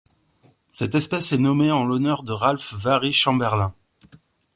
Cette espèce est nommée en l'honneur de Ralph Vary Chamberlin.